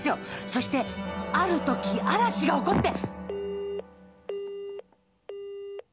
そしてある時嵐が起こって。